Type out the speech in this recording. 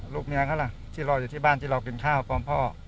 ลูกเมียเค้าล่ะที่รออยู่ที่บ้านที่รอกินข้าวต้องพ่อ